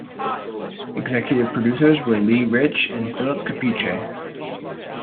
Executive producers were Lee Rich and Philip Capice.